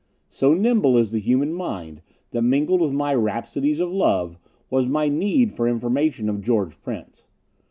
So nimble is the human mind that mingled with my rhapsodies of love was my need for information of George Prince....